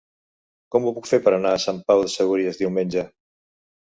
Com ho puc fer per anar a Sant Pau de Segúries diumenge?